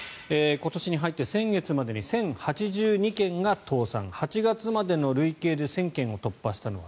今年に入って先月までに１０８２件が倒産８月までの累計で１０００件を突破したのは